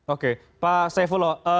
oke pak saifullah